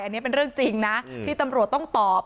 อันนี้เป็นเรื่องจริงนะที่ตำรวจต้องตอบ